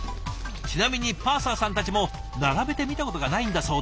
ちなみにパーサーさんたちも並べてみたことがないんだそうで。